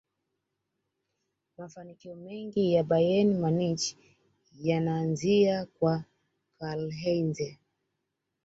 mafanikio mengi ya bayern munich yanaanzia kwa karlheinze